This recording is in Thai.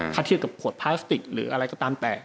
ถ้าเทียบกับขวดพลาสติกหรืออะไรก็ตามแต่